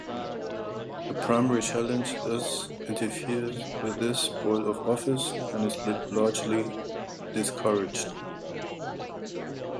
A primary challenge thus interferes with this "spoil of office," and is largely discouraged.